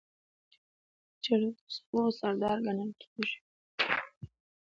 کچالو د سبو سردار ګڼل کېږي